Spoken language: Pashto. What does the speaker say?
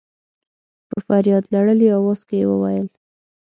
په فرياد لړلي اواز کې يې وويل.